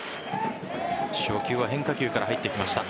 初球は変化球から入ってきました。